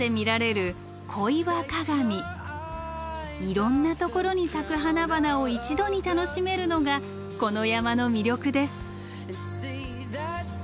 いろんなところに咲く花々を一度に楽しめるのがこの山の魅力です。